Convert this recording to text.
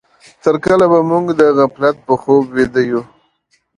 تر کله به موږ د غفلت په خوب ويده يو؟